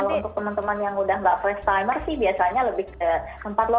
kalau untuk teman teman yang udah nggak first timer sih biasanya lebih ke tempat lokasi shooting lah